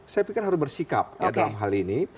saya pikir harus bersikap dalam hal ini